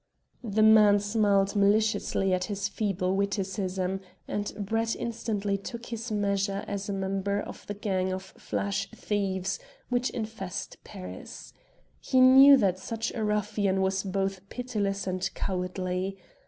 The man smiled maliciously at his feeble witticism, and Brett instantly took his measure as a member of the gang of flash thieves which infest Paris. He knew that such a ruffian was both pitiless and cowardly.